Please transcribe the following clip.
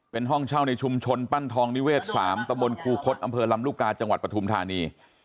เป็นห้องเช่าในชุมชนปั้นทองนิเวศ๓ตะบนครูคดอำเภอลำลูกกาจังหวัดปฐุมธานี